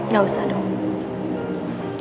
gak usah dong